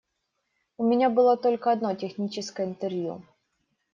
У меня было только одно техническое интервью.